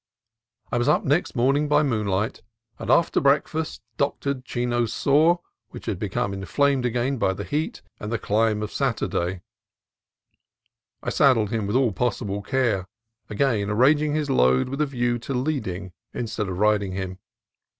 I was up next morning by moonlight, and after breakfast doctored Chino's sore, which had become inflamed again by the heat and the climb of Satur day. I saddled him with all possible care, again ar ranging his load with a view to leading instead of riding him.